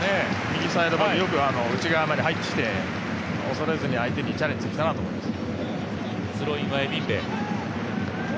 右サイドバック、よく内側まで入ってきて、恐れずに相手にチャレンジしたなと思います。